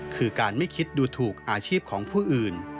คือการไม่คิดดูถูกอาชีพของผู้อื่น